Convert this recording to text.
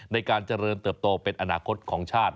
ในการเจริญเติบโตเป็นอนาคตของชาติ